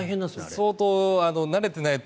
相当慣れてないと。